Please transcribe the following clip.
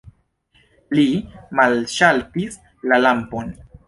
Li malŝaltis la lampon.